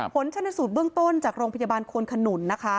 ผลชนสูตรเบื้องต้นจากโรงพยาบาลควนขนุนนะคะ